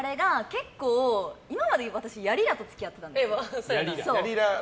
結構、今まで私やりらと付き合ってたんですよ。